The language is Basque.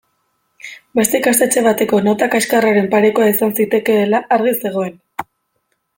Beste ikastetxe bateko nota kaxkarraren parekoa izan zitekeela argi zegoen.